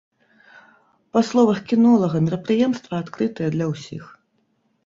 Па словах кінолага, мерапрыемства адкрытае для ўсіх.